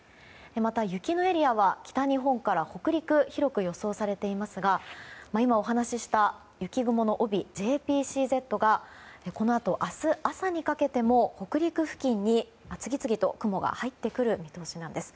また雪のエリアは北日本から北陸広く予想されていますが今お話しした雪雲の帯ＪＰＣＺがこのあと明日朝にかけても北陸付近に次々と雲が入ってくる見通しなんです。